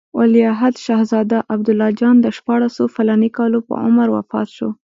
ولیعهد شهزاده عبدالله جان د شپاړسو فلاني کالو په عمر وفات شو.